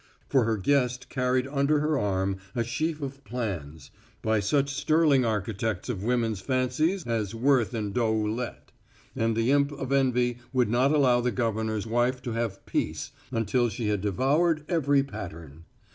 For her guest carried under her arm a sheaf of plans by such sterling architects of women's fancies as Worth and Doeuillet, and the imp of envy would not allow the governor's wife to have peace until she had devoured every pattern.